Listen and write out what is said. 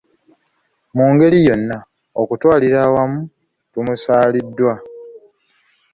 Mu ngeri yonna, okutwalira awamu tumusaaliddwa.